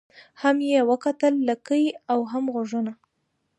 هم یې وکتل لکۍ او هم غوږونه